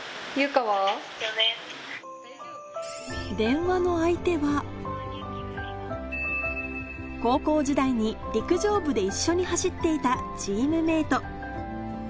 電話の相手は高校時代に陸上部で一緒に走っていたチームメート